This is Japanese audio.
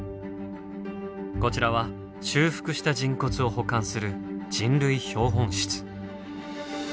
こちらは修復した人骨を保管する人類標本室。